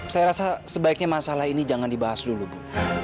saya rasa sebaiknya masalah ini jangan dibahas dulu bu